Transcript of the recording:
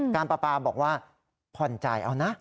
การปลาปลาบอกว่าผ่อนจ่ายเอานะ